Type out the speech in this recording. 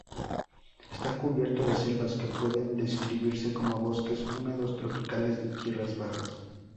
Está cubierto de selvas, que pueden describirse como bosques húmedos tropicales de tierras bajas.